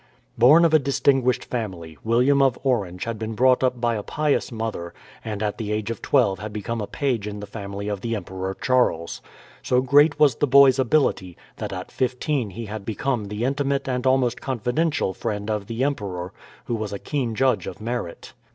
Born of a distinguished family, William of Orange had been brought up by a pious mother, and at the age of twelve had become a page in the family of the Emperor Charles. So great was the boy's ability, that at fifteen he had become the intimate and almost confidential friend of the emperor, who was a keen judge of merit.